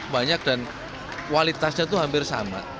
banyak dan kualitasnya itu hampir sama